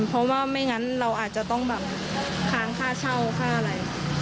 เพราะว่าไม่งั้นเราอาจจะต้องแบบค้างค่าเช่าค่าอะไร